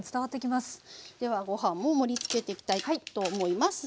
ではご飯も盛りつけていきたいと思います。